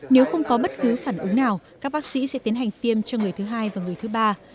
nếu không có bất cứ phản ứng nào các bác sĩ sẽ tiến hành tiêm cho người thứ hai và người thứ ba